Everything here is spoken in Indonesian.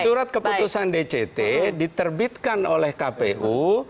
surat keputusan dct diterbitkan oleh kpu